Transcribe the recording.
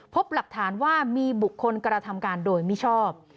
พบหลักฐานว่ามีบุคคลกระทำการโดยมิชอบ